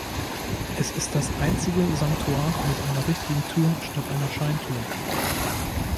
Es ist das einzige Sanktuar mit einer richtigen Tür statt einer Scheintür.